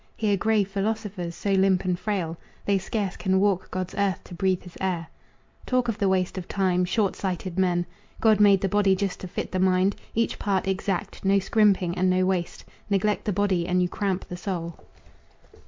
Hear grave philosophers, so limp and frail They scarce can walk God's earth to breathe his air, Talk of the waste of time! Short sighted men! God made the body just to fit the mind, Each part exact, no scrimping and no waste Neglect the body and you cramp the soul.